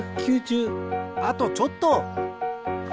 あとちょっと！